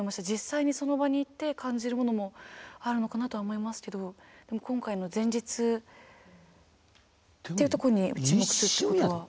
実際にその場に行って感じるものもあるのかなとは思いますけど今回の前日っていうところに注目するっていうことは。